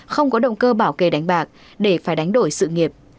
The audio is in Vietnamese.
không có động cơ bảo kê đánh bạc để phải đánh đổi sự nghiệp